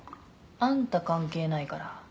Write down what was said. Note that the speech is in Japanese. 「あんた関係ないから」